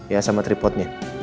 ya sama tripodnya